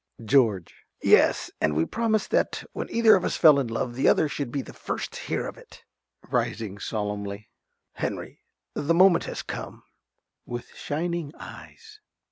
~George.~ Yes; and we promised that when either of us fell in love the other should be the first to hear of it? (Rising solemnly.) Henry, the moment has come. (_With shining eyes.